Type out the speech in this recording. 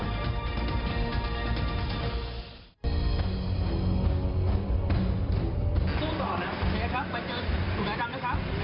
สุดท้อนนะครับไปเจอศูนย์ดำนะครับศูนย์ดำ